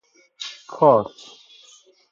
کأس